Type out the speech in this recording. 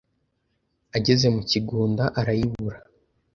Ageze mu kigunda arayibura